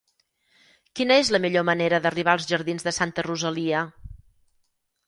Quina és la millor manera d'arribar als jardins de Santa Rosalia?